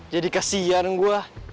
jadi kasihan gue